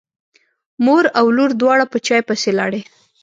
مور او لور دواړه په چای پسې لاړې.